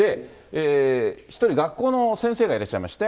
１人学校の先生がいらっしゃいまして。